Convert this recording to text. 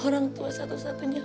orang tua satu satunya